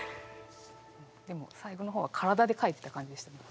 でも最後の方は体で書いてた感じでしたね。